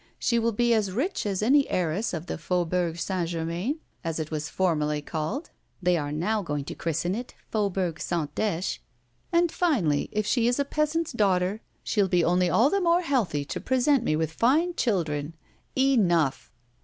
She will be as rich as any heiress of the Faubourg Saint Germain as it was formerly called (they are now going to christen it Faubourg Sainte Deche) and finally, if she is a peasant's daughter, she'll be only all the more healthy to present me with fine children. Enough!"